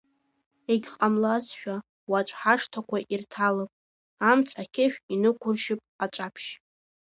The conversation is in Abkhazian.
Егьҟамлазшәа уаҵә ҳашҭақәа ирҭалап, амц ақьышә инықәыршьп аҵәаԥшь.